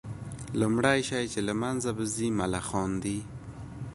لومړى شى چي له منځه به ځي ملخان دي